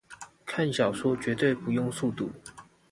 看小說絕對不用速讀